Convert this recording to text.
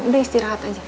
udah istirahat aja